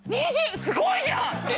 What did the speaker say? ２０⁉すごいじゃん！